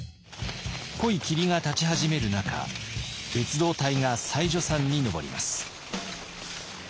濃い霧が立ち始める中別動隊が妻女山に登ります。